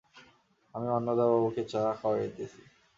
আমি অন্নদাবাবুকে চা খাওয়াইতেছি।